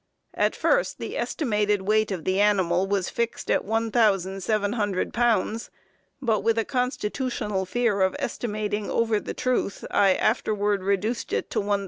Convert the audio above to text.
At first the estimated weight of the animal was fixed at 1,700 pounds, but with a constitutional fear of estimating over the truth, I afterward reduced it to 1,600 pounds.